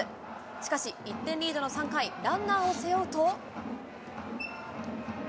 しかし、１点リードの３回、ランナーを背負うと。